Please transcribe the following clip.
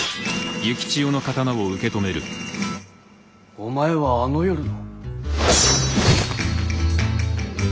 お前はあの夜の？